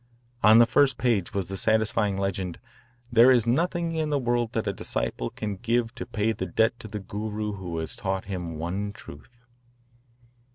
On the first page was the satisfying legend, "There is nothing in the world that a disciple can give to pay the debt to the Guru who has taught him one truth."